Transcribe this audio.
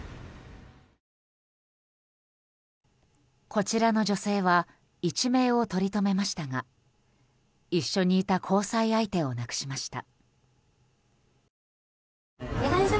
こちらの女性は一命を取り留めましたが一緒にいた交際相手を亡くしました。